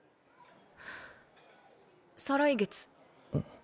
再来月。